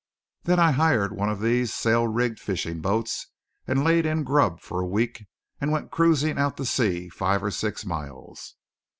Then I hired one of these sail rigged fishing boats and laid in grub for a week and went cruising out to sea five or six miles."